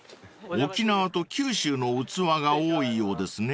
［沖縄と九州の器が多いようですね］